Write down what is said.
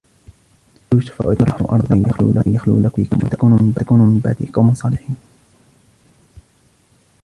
اقتلوا يوسف أو اطرحوه أرضا يخل لكم وجه أبيكم وتكونوا من بعده قوما صالحين